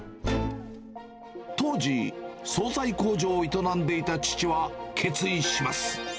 当時、総菜工場を営んでいた父は、決意します。